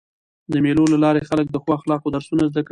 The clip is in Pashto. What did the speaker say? د مېلو له لاري خلک د ښو اخلاقو درسونه زده کوي.